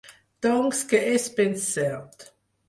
Doncs que és ben cert.